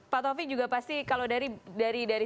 pak taufik juga pasti kalau dari